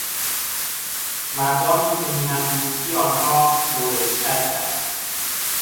مردانی که میهن دوستی آنها مورد شک است